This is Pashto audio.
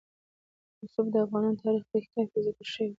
رسوب د افغان تاریخ په کتابونو کې ذکر شوی دي.